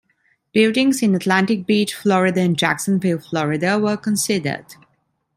Buildings in Atlantic Beach, Florida and Jacksonville, Florida were considered.